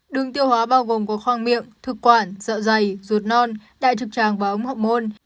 đường tiêu hóa bao gồm có khoang miệng thực quản dọ dày ruột non đại trực tràng và ống hộng môn